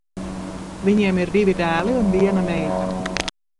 Viņiem ir divi dēli un viena meita.